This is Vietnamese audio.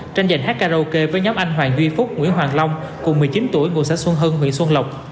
tài karaoke với nhóm anh hoàng huy phúc nguyễn hoàng long cùng một mươi chín tuổi ngù xã xuân hưng huyện xuân lọc